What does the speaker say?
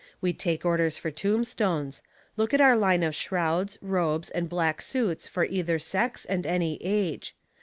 We take orders for tombstones. Look at our line of shrouds, robes, and black suits for either sex and any age.